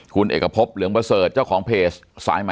คุณเอกพบเหลืองประเสริมเจ้าของเพจ